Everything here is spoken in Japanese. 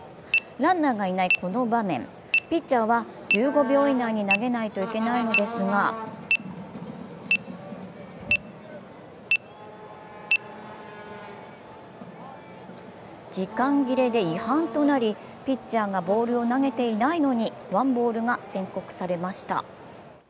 ランナーがいないこの場面、ピッチャーは１５秒以内に投げないといけないのですが時間切れで違反となり、ピッチャーがボールを投げていないのにワンボールが宣告されました。